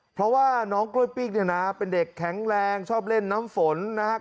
เพราะว่าน้องกล้วยปิ้งเนี่ยนะเป็นเด็กแข็งแรงชอบเล่นน้ำฝนนะครับ